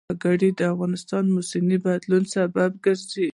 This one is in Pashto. وګړي د افغانستان د موسم د بدلون سبب کېږي.